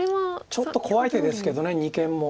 ちょっと怖い手ですけど二間も。